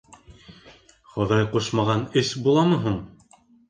Хоҙай ҡушмаған эш буламы һуң.